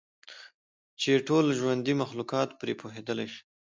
چې ټول ژوندي مخلوقات پرې پوهیدلی شي.